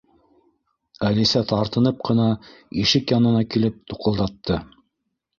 Әлисә тартынып ҡына ишек янына килеп, туҡылдатты.